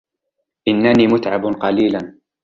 إنني متعب قليلاً.